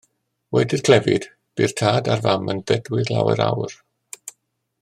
Wedi'r clefyd, bu'r tad a'r fam yn ddedwydd lawer awr.